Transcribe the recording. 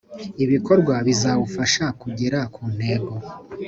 ibikorwa bizawufasha kugera ku ntego